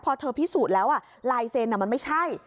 พอเธอพิสูจน์แล้วลายเซ็นต์มันไม่ใช่